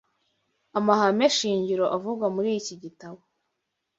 Amahame shingiro avugwa muri iki gitabo